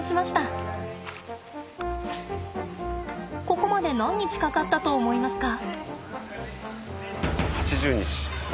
ここまで何日かかったと思いますか？